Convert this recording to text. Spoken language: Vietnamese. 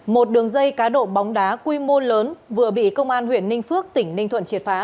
một đường dây cá độ bóng đá quy mô lớn vừa bị công an huyện ninh phước tỉnh ninh thuận triệt phá